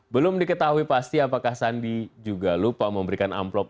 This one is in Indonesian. belum diketahui pasti apakah sandi juga lupa memberikan amplop